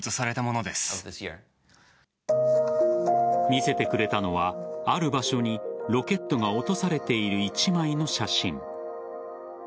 見せてくれたのはある場所にロケットが落とされている１枚の写真。